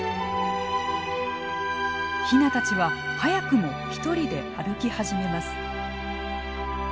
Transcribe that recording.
ヒナたちは早くも一人で歩き始めます。